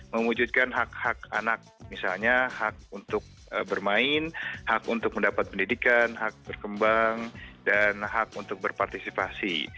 mewujudkan hak hak anak misalnya hak untuk bermain hak untuk mendapat pendidikan hak berkembang dan hak untuk berpartisipasi